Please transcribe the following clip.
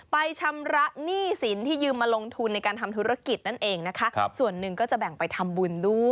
ชำระหนี้สินที่ยืมมาลงทุนในการทำธุรกิจนั่นเองนะคะส่วนหนึ่งก็จะแบ่งไปทำบุญด้วย